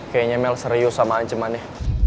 kayaknya mel serius sama jemannya